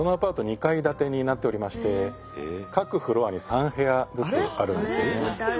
２階建てになっておりまして各フロアに３部屋ずつあるんですよね。